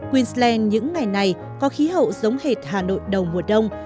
queensland những ngày này có khí hậu giống hệt hà nội đầu mùa đông